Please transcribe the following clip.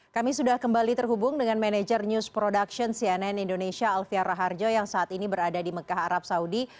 kami sudah kembali terhubung dengan manajer news production cnn indonesia alfian raharjo yang saat ini berada di mekah arab saudi